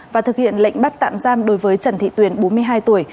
và thực hiện lệnh bắt tạm giam đối với trần thị tuyền bốn mươi hai tuổi